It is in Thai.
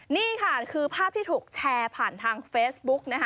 นี่ค่ะคือภาพที่ถูกแชร์ผ่านทางเฟซบุ๊กนะคะ